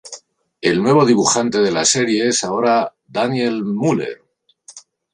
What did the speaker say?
El nuevo dibujante de la serie es ahora Daniel Müller.